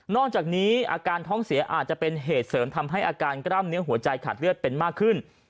อกจากนี้อาการท้องเสียอาจจะเป็นเหตุเสริมทำให้อาการกล้ามเนื้อหัวใจขาดเลือดเป็นมากขึ้น